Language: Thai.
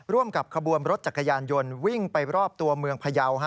ร่วมกับขบวนรถจักรยานยนต์วิ่งไปรอบตัวเมืองพยาว